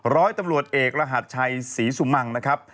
ร้อยตำรวจเอกรหัสชัยศรีสุมังนะครับ